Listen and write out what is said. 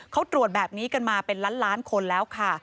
เขาตรวจแบบนี้กันมาเป็นล้านล้านคนแล้วค่ะ